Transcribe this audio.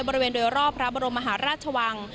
บริเวณโดยรอบพระบรมมหาราชวัง